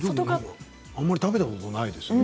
あんまり食べたことないですよね。